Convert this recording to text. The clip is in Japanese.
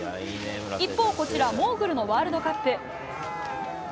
一方こちらモーグルのワールドカップ。